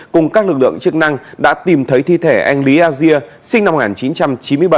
cùng các lực lượng chức năng đã tìm thấy thi thể anh lý a dia sinh năm một nghìn chín trăm chín mươi bảy